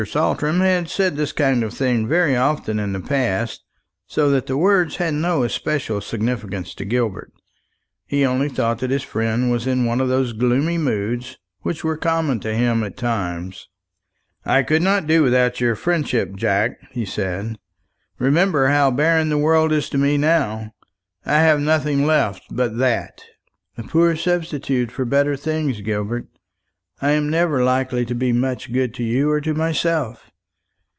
Saltram had said this kind of thing very often in the past, so that the words had no especial significance to Gilbert. He only thought that his friend was in one of those gloomy moods which were common to him at times. "I could not do without your friendship, Jack," he said. "Remember how barren the world is to me now. I have nothing left but that." "A poor substitute for better things, Gilbert. I am never likely to be much good to you or to myself.